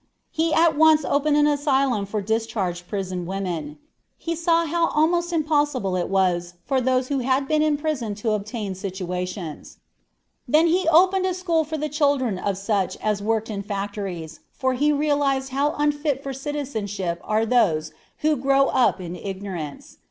He at once opened an asylum for discharged prison women. He saw how almost impossible it was for those who had been in prison to obtain situations. Then he opened a school for the children of such as worked in factories, for he realized how unfit for citizenship are those who grow up in ignorance.